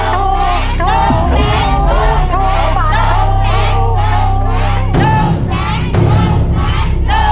โทษโทษไงโทษโทษไงเถอะ